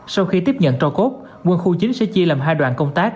sau khi tiếp nhận trò cốt quân khu chính sẽ chia làm hai đoạn công tác